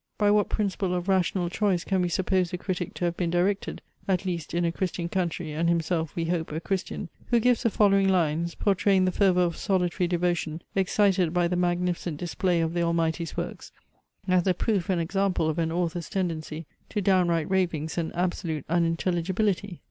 By what principle of rational choice can we suppose a critic to have been directed (at least in a Christian country, and himself, we hope, a Christian) who gives the following lines, portraying the fervour of solitary devotion excited by the magnificent display of the Almighty's works, as a proof and example of an author's tendency to downright ravings, and absolute unintelligibility?